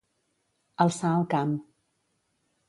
Alçar el camp.